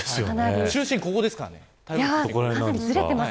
中心はここですからね。